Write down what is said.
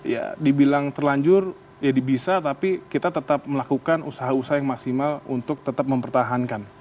ya dibilang terlanjur ya bisa tapi kita tetap melakukan usaha usaha yang maksimal untuk tetap mempertahankan